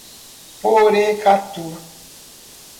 Porecatu